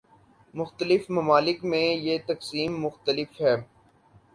مختلف ممالک میں یہ تقسیم مختلف ہے۔